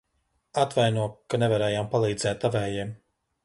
Atvaino, ka nevarējām palīdzēt tavējiem.